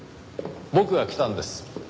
僕が来たんです。